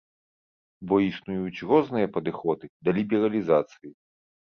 Бо існуюць розныя падыходы да лібералізацыі.